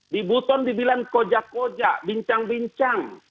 di buton dibilang koja koja bincang bincang